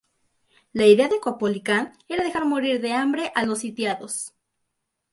La idea de Caupolicán era dejar morir de hambre a los sitiados.